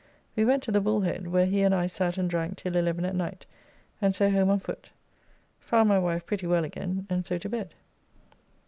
We went to the Bullhead, where he and I sat and drank till 11 at night, and so home on foot. Found my wife pretty well again, and so to bed.